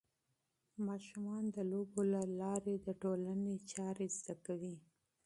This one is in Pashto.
ماشومان د لوبو له لارې د ټولنې قواعد زده کوي.